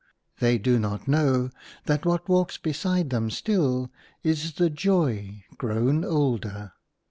They do not know that what walks beside them still is the Joy grown older.